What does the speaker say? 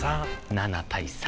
７対３。